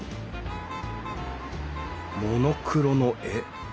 モノクロの絵。